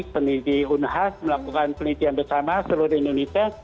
pendidik unhas melakukan penelitian bersama seluruh di indonesia